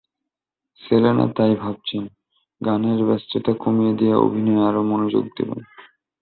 Selena তাই ভাবছেন, গানের ব্যস্ততা কমিয়ে দিয়ে অভিনয়ে আরও মনোযোগ দেবেন।